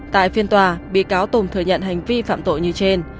tại phiên tòa bị cáo tùng thừa nhận hành vi phạm tội như trên